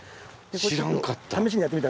知らんかった。